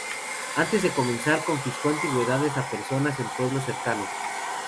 Antes de comenzar, confiscó antigüedades a personas en pueblos cercanos.